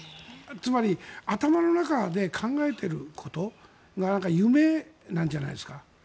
つまり頭の中で考えていることが夢なんじゃないですか。